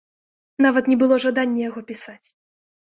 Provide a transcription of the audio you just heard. Нават не было жадання яго пісаць.